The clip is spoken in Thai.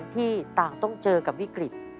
ที่ต่างต้องเจอกับวิกฤต